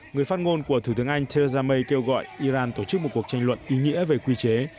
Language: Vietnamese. người phát ngôn của thủ tướng anh theresa may kêu gọi iran tổ chức một cuộc tranh luận ý nghĩa về quy chế